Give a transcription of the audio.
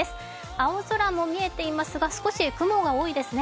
青空も見えていますが少し雲が多いですね。